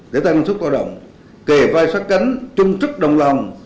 để tăng năng suất lao động kề vai sát cánh trung trức đồng lòng